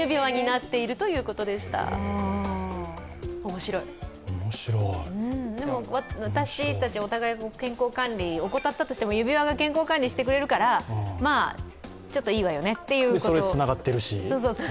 面白い私たち、お互い健康管理を怠ったとしても、指輪が健康管理してくれるからまあ、ちょっといいわよねということ。